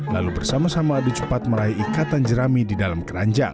lalu bersama sama adu cepat meraih ikatan jerami di dalam keranjang